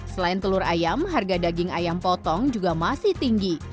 selain telur ayam harga daging ayam potong juga masih tinggi